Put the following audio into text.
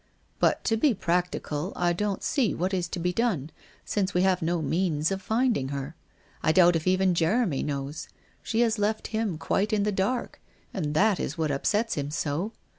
' But, to be practical, I don't see what is to be done, since we have no means of finding her. I doubt if even Jeremy knows. She has left him quite in the dark, and that is what upset him so.